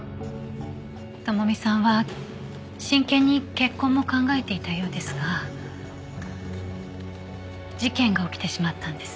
朋美さんは真剣に結婚も考えていたようですが事件が起きてしまったんです。